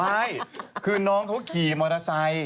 ใช่คือน้องเขาขี่มอเตอร์ไซค์